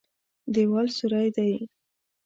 دېوال سوری دی.